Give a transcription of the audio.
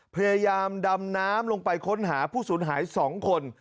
พยายามดำน้ำลงไปค้นหาผู้สูญหาย๒คน